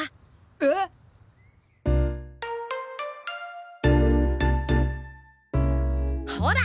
えっ？ほら！